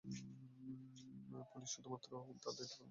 Police শুধুমাত্র তার দায়িত্ব পালন করছে।